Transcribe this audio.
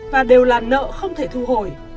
và đều là nợ không thể thu hồi